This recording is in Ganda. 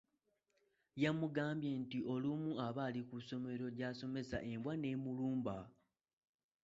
Yamugamba nti olumu aba ali ku ssomero gy’asomesa embwa n'emulumba.